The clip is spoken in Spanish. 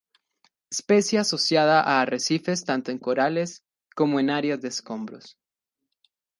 Especie asociada a arrecifes, tanto en corales, como en áreas de escombros.